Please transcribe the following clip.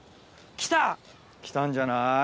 来たんじゃない？